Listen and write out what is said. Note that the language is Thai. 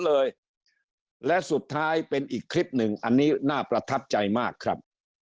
เลยและสุดท้ายเป็นอีกคลิปหนึ่งอันนี้น่าประทับใจมากครับ